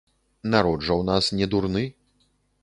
Народ жа ў нас не дурны.